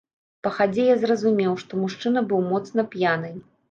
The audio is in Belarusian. Па хадзе я зразумеў, што мужчына быў моцна п'яны.